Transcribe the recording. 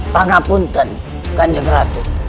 pangapunten kanjeng ratu